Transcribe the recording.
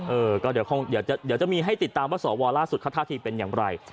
เออก็เดี๋ยวจะมีให้ติดตามว่าสวล่าสุดเขาท่าทีเป็นอย่างไร